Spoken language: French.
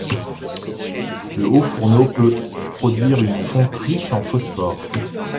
Le haut fourneau peut produire une fonte riche en phosphore.